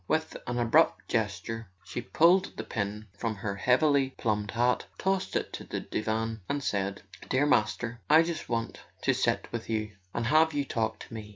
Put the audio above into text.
With an abrupt gesture she pulled the pin from her heavily plumed hat, tossed it on the divan, and said: "Dear Master, I just want to sit with you and have you talk to me."